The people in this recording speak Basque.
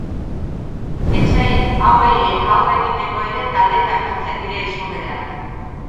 Etsai hauei aurre egiteko ere taldetan biltzen dira izurdeak.